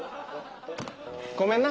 ごめんな。